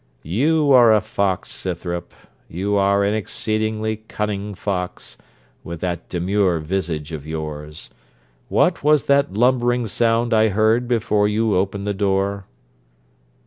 'You are a fox, Scythrop; you are an exceedingly cunning fox, with that demure visage of yours. What was that lumbering sound I heard before you opened the door?'